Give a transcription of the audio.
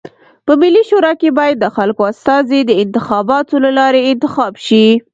په ملي شورا کي بايد د خلکو استازي د انتخاباتو د لاري انتخاب سی.